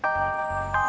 gue gak tahu